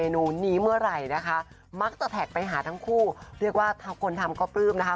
อันนี้แจ๊บคักนะคิดถึงที่บ้านเลยคุณผู้ชม